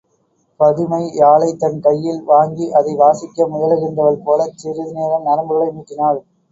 பதுமை யாழைத் தன் கையில் வாங்கி அதை வாசிக்க முயலுகின்றவள் போலச் சிறிது நேரம் நரம்புகளை மீட்டினாள்.